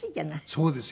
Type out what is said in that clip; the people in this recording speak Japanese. そうですよね。